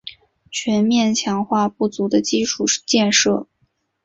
全面强化不足的基础建设